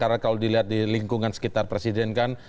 karena kalau dilihat di lingkungan sekitar presiden kan